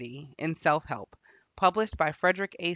in "Self Help" published by Frederick A.